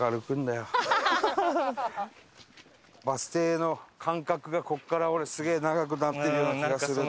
バス停の間隔がここから俺すげえ長くなってるような気がするな。